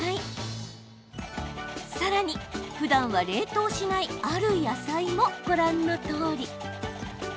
さらにふだんは冷凍しないある野菜もご覧のとおり。